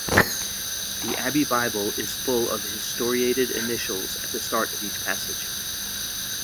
The Abbey Bible is full of historiated initials at the start of each passage.